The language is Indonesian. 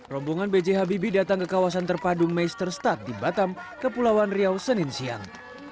rombongan bchbb datang ke kawasan terpadu meisterstad di batam kepulauan riau senin siang